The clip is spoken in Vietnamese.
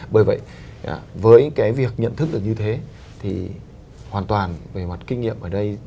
bởi vậy với cái việc nhận thức được như thế thì hoàn toàn về mặt kinh nghiệm ở đây